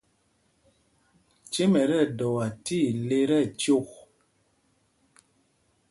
Cêm ɛ tí ɛdɔa tí ile tí ɛcyɔk.